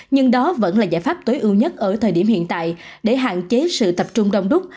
nhưng đó vẫn là giải pháp tối ưu nhất ở thời điểm hiện tại để hạn chế sự tập trung đông đúc